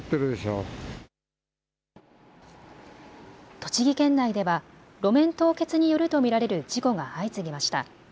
栃木県内では路面凍結によると見られる事故が相次ぎました。